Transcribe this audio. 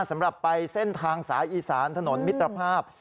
สำหรับไปเส้นทางสายอีสานถนนมิตรภาพ